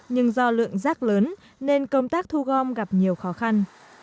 nhưng do lượng rác lớn nên công tác thu gom gặp nhiều khó khăn